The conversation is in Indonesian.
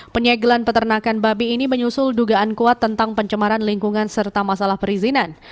penyegelan peternakan babi ini menyusul dugaan kuat tentang pencemaran lingkungan serta masalah perizinan